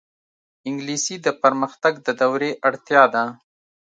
انګلیسي د پرمختګ د دورې اړتیا ده